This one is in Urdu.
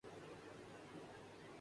ن لیگ کمزور ہوتی ہے۔